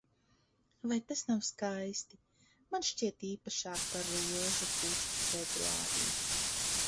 Vai tas nav skaisti? Man šķiet, īpašāk par rožu pušķi februārī.